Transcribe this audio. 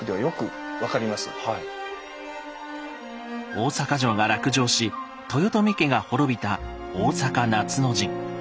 大坂城が落城し豊臣家が滅びた「大坂夏の陣」。